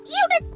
ya udah cepet